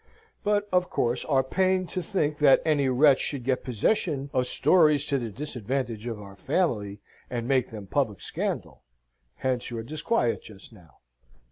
"But, of course, are pained to think that any wretch should get possession of stories to the disadvantage of our family, and make them public scandal. Hence your disquiet just now."